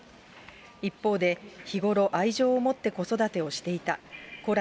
一方で、日頃、愛情を持って子育てをしていた。